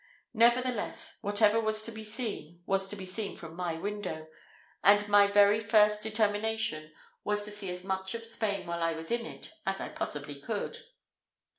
Nevertheless, whatever was to be seen, was to be seen from my window; and my very first determination was to see as much of Spain while I was in it, as I possibly could.